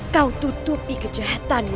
kau tutupi kejahatanmu